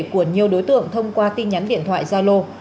của nhiều đối tượng thông qua tin nhắn điện thoại gia lô